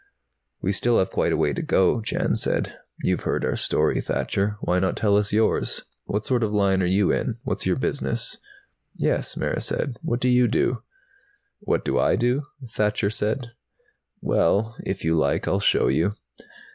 "We still have quite a way to go," Jan said. "You've heard our story, Thacher. Why not tell us yours? What sort of line are you in? What's your business?" "Yes," Mara said. "What do you do?" "What do I do?" Thacher said. "Well, if you like, I'll show you."